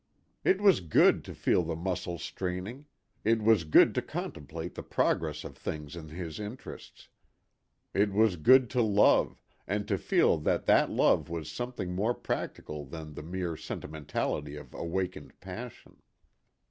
It was good to feel the muscles straining, it was good to contemplate the progress of things in his interests, it was good to love, and to feel that that love was something more practical than the mere sentimentality of awakened passion.